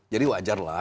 jadi wajar lah